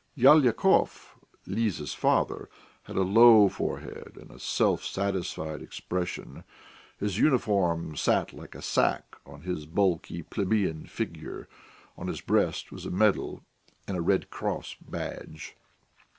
Lyalikov, Liza's father, had a low forehead and a self satisfied expression; his uniform sat like a sack on his bulky plebeian figure; on his breast was a medal and a Red Cross Badge.